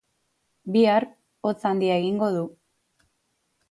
Bihar, hotz handia egingo du